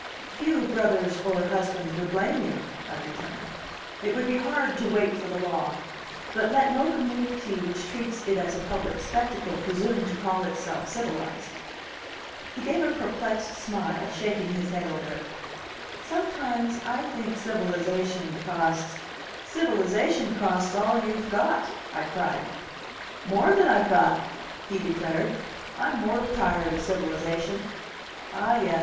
"Few brothers or husbands would blame you," I returned. "It would be hard to wait for the law. But let no community which treats it as a public spectacle presume to call itself civilized." He gave a perplexed smile, shaking his head over it. "Sometimes I think civilization costs " "Civilization costs all you've got!" I cried. "More than I've got!" he declared. "I'm mortal tired of civilization." "Ah, yes!